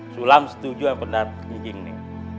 sulam setuju yang bener cing nih